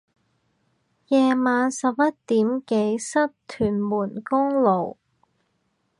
夜晚十一點幾塞屯門公路